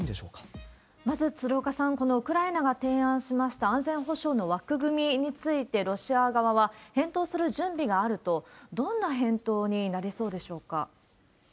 まず鶴岡さん、このウクライナが提案しました安全保障の枠組みについて、ロシア側は、返答する準備があると、どんな返答になりそうでしょうか？